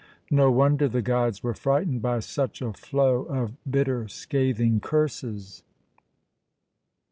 No wonder the guides were frightened by such a flow of bitter scathing curses!